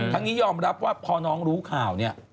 นี้ยอมรับว่าพอน้องรู้ข่าวเนี่ย